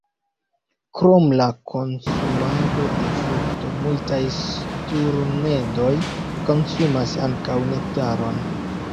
Krom la konsumado de frukto, multaj sturnedoj konsumas ankaŭ nektaron.